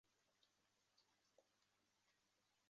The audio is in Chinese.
氟硼酸亚锡可以用于锡的电镀。